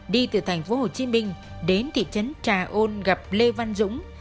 đi từ thành phố hồ chí minh đến thị trấn trà ôn gặp lê văn dũng